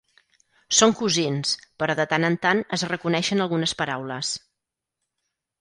Són cosins, però de tant en tant es reconeixen algunes paraules.